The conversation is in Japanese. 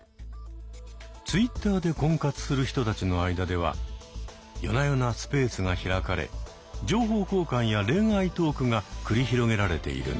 Ｔｗｉｔｔｅｒで婚活する人たちの間では夜な夜なスペースが開かれ情報交換や恋愛トークが繰り広げられているんです。